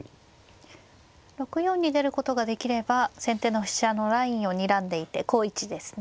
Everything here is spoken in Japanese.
６四に出ることができれば先手の飛車のラインをにらんでいて好位置ですね。